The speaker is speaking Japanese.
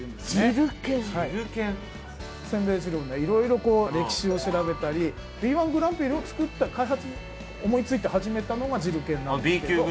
せんべい汁をいろいろこう歴史を調べたりＢ−１グランプリを作った開発思いついて始めたのが汁研なんですけど。